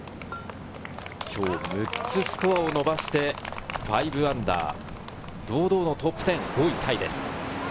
今日６つスコアを伸ばして−５、堂々トップ１０、５位タイです。